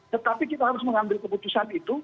tetapi kita harus mengambil keputusan itu